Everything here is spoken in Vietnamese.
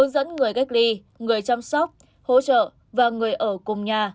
dẫn người cách ly người chăm sóc hỗ trợ và người ở cùng nhà